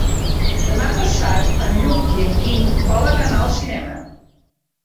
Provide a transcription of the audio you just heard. Demà passat en Lluc i en Guim volen anar al cinema.